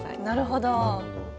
なるほど。